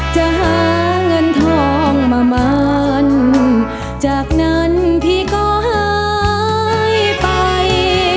จะหาเงินทองประมาณจากนั้นพี่ก็หายไป